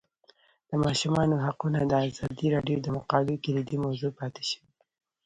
د ماشومانو حقونه د ازادي راډیو د مقالو کلیدي موضوع پاتې شوی.